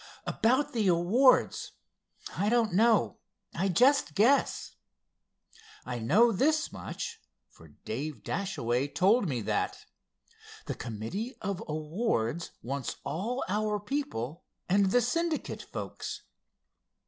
"About the awards. I don't know—I just guess. I know this much, for Dave Dashaway told me that. The committee of awards wants all our people, and the Syndicate folks."